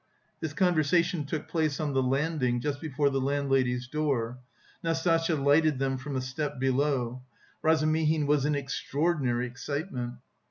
This conversation took place on the landing just before the landlady's door. Nastasya lighted them from a step below. Razumihin was in extraordinary excitement.